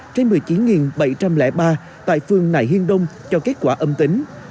một mươi chín sáu trăm chín mươi ba trên một mươi chín bảy trăm linh ba tại phương nại hiên đông cho kết quả âm tính